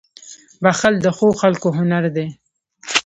• بښل د ښو خلکو هنر دی.